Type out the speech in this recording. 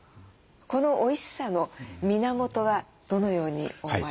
このおいしさの源はどのように思われますか？